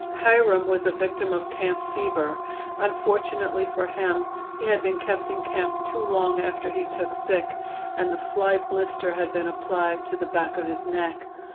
"Hiram" was a victim of camp fever; unfortunately for him he had been kept in camp too long after he took sick, and the fly blister had been applied to the back of his neck.